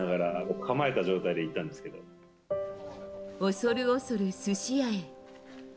恐る恐る寿司屋へ。